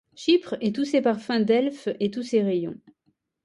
Chypre et tous ses parfums, Delphe et tous ses rayons